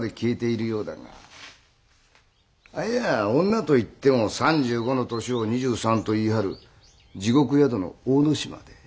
いや女といっても３５の年を２３と言い張る地獄宿の大年増で。